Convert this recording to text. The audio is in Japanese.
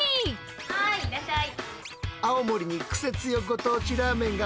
はいいらっしゃい。